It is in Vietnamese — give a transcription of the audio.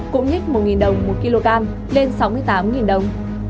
cũng nhích một đồng một kg lên sáu mươi tám đồng